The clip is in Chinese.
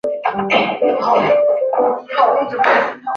乡村基是一家中国大陆第一家在美国纽交所上市的餐饮企业。